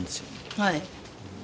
はい。